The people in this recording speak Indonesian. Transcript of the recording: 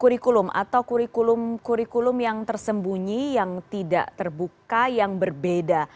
kurikulum atau kurikulum kurikulum yang tersembunyi yang tidak terbuka yang berbeda